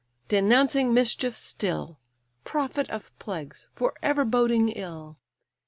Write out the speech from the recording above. denouncing mischief still, Prophet of plagues, for ever boding ill!